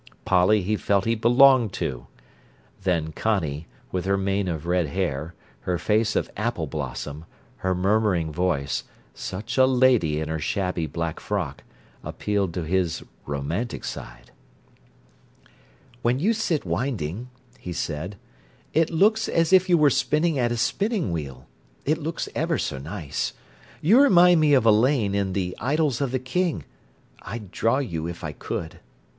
Polly he felt he belonged to. Then Connie, with her mane of red hair, her face of apple blossom, her murmuring voice, such a lady in her shabby black frock, appealed to his romantic side. "When you sit winding," he said, "it looks as if you were spinning at a spinning wheel—it looks ever so nice. You remind me of Elaine in the 'Idylls of the King'. I'd draw you if I could."